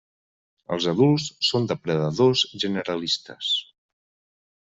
Els adults són depredadors generalistes.